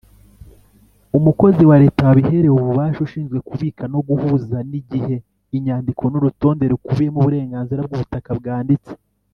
umukozi wa Leta wabiherewe ububasha ushinzwe kubika no guhuza n’igihe inyandiko n’urutonde rukubiyemo uburenganzira bw’ubutaka bwanditse